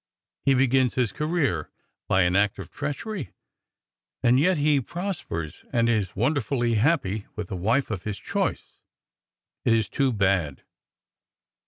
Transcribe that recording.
He begins his career by an act of treachery; and yet he prospers, and is wonderfully happy with the wife of his choice! It is too bad."